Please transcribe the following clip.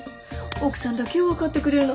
奥さんだけよ分かってくれるの。